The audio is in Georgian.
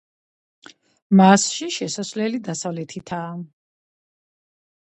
მასში შესასვლელი დასავლეთითაა.